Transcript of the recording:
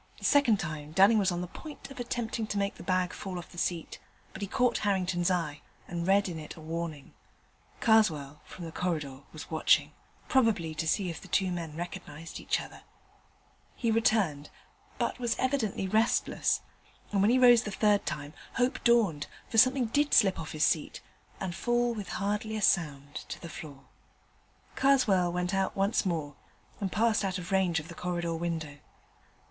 The second time Dunning was on the point of attempting to make the bag fall off the seat, but he caught Harrington's eye, and read in it a warning. Karswell, from the corridor, was watching: probably to see if the two men recognized each other. He returned, but was evidently restless: and, when he rose the third time, hope dawned, for something did slip off his seat and fall with hardly a sound to the floor. Karswell went out once more, and passed out of range of the corridor window.